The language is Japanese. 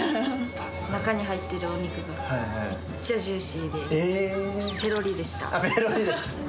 中に入ってるお肉がめっちゃジューシーで、ぺろりでした。